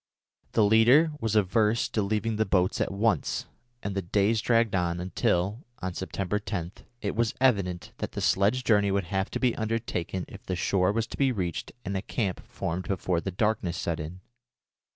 The leader was averse to leaving the boats at once, and the days dragged on until, on September 10, it was evident that the sledge journey would have to be undertaken if the shore was to be reached and a camp formed before the darkness set in.